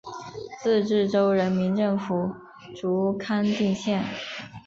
自治州人民政府驻康定县。